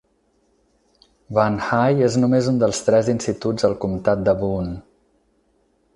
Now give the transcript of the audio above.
Van High és només un dels tres instituts al comtat de Boone.